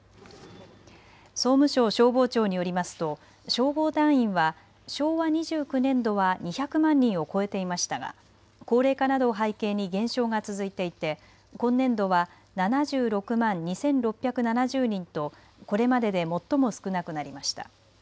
総務省消防庁によりますと消防団員は昭和２９年度は２００万人を超えていましたが高齢化などを背景に減少が続いていて今年度は７６万２６７０人とこれまでで最も少なくなりました。